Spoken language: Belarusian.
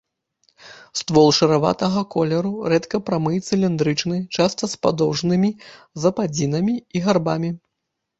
Ствол шараватага колеру рэдка прамы і цыліндрычны, часта з падоўжнымі западзінамі і гарбамі.